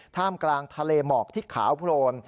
ท่ามกลางทะเลหมอกที่ขาวโพรม